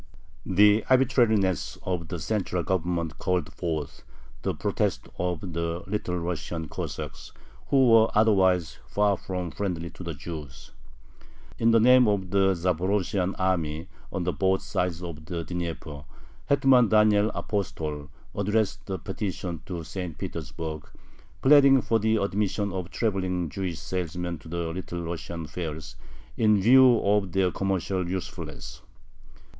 The arbitrariness of the central Government called forth the protest of the Little Russian Cossacks, who were otherwise far from friendly to the Jews. In the name of "the Zaporozhian army on both sides of the Dnieper" Hetman Daniel Apostol addressed a petition to St. Petersburg, pleading for the admission of traveling Jewish salesmen to the Little Russian fairs, in view of their commercial usefulness.